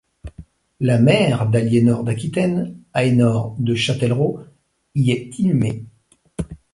La mère d'Aliénor d'Aquitaine, Aénor de Châtellerault, y est inhumée.